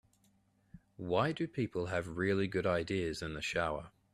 Why do people have really good ideas in the shower?